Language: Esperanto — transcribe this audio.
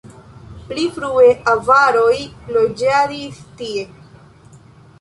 Pli frue avaroj loĝadis tie.